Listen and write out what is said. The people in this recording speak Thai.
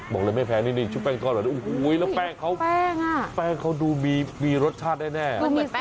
บอกเลยไม่แพงนิดชุบแป้งทอดแล้วแป้งเขาดูมีรสชาติได้แน่